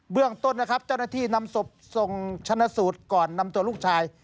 เรื่องต้นนะครับเจ้าหน้าที่นำศพส่งชนะสูตรก่อนนำตัวลูกชาย